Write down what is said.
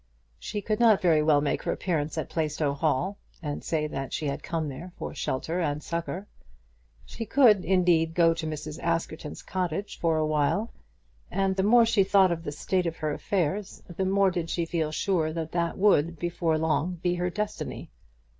She could not very well make her appearance at Plaistow Hall, and say that she had come there for shelter and succour. She could, indeed, go to Mrs. Askerton's cottage for awhile; and the more she thought of the state of her affairs, the more did she feel sure that that would, before long, be her destiny.